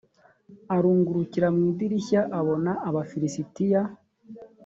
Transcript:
arungurukira mu idirishya abona abafilisitiya